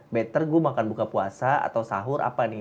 better gue makan buka puasa atau sahur apa nih